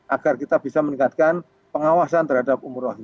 agar kita bisa meningkatkan pengawasan terhadap umur rohani